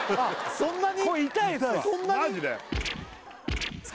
そんなに？